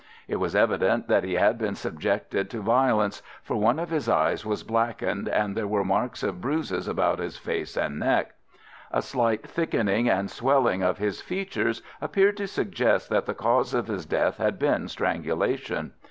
It was evident that he had been subjected to violence, for one of his eyes was blackened, and there were marks of bruises about his face and neck. A slight thickening and swelling of his features appeared to suggest that the cause of his death had been strangulation.